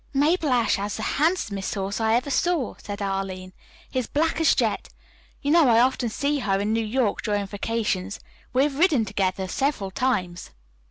"Mabel Ashe has the handsomest horse I ever saw," said Arline. "He is black as jet. You know I often see her in New York during vacations. We have ridden together several times."